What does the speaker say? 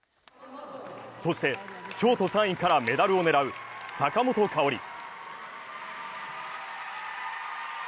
そして、ショート３位からメダルを狙う坂本花織。